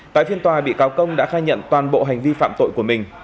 tại phiên tòa bị cáo công đã khai nhận toàn bộ hành vi phạm tội của mình